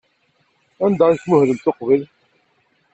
Anda ay tmuhlemt uqbel?